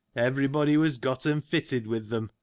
everybody was gotten fitted with them.